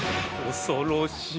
恐ろしい。